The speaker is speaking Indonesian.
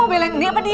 bila yang ini apa dia